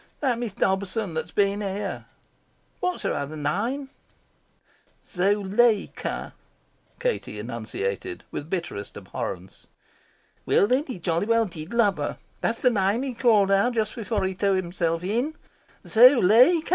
"That Miss Dobson that's been here." "What's her other name?" "Zuleika," Katie enunciated with bitterest abhorrence. "Well, then, he jolly well did love her. That's the name he called out just before he threw himself in. 'Zuleika!